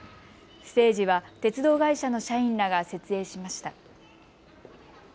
ステージは鉄道会社の社員らが設営しました。